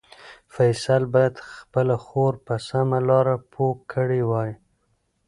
فیصل باید خپله خور په سمه لاره پوه کړې وای.